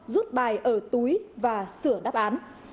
rút bài ở túi và sửa đáp án